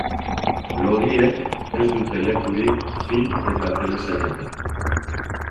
Lodiek ez dute lekurik film eta telesailetan